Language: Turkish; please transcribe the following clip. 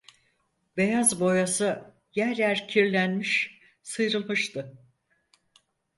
Beyaz boyası yer yer kirlenmiş, sıyrılmıştı.